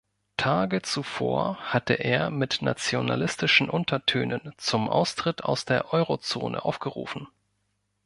Tage zuvor hatte er mit nationalistischen Untertönen zum Austritt aus der Eurozone aufgerufen.